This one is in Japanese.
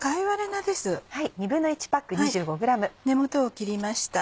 根元を切りました。